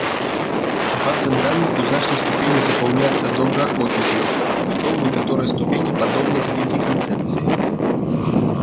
База даных у значнай ступені запаўняецца добраахвотнікамі, што ў некаторай ступені падобна з вікі-канцэпцыяй.